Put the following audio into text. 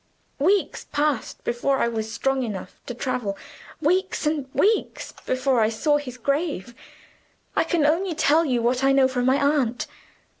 Weeks passed before I was strong enough to travel weeks and weeks before I saw his grave! I can only tell you what I know from my aunt.